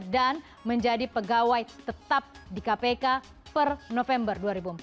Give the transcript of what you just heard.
dan menjadi pegawai tetap di kpk per november dua ribu empat belas